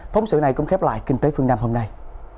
phóng sự này cũng khép lại kinh tế phương nam hôm nay